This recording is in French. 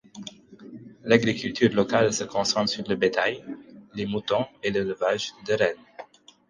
L'agriculture locale se concentre sur le bétail, les moutons et l'élevage de rennes.